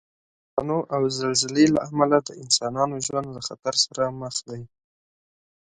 د طوفانو او زلزلې له امله د انسانانو ژوند له خطر سره مخ دی.